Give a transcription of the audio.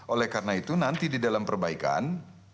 oleh karena itu nanti di dalam perbaikan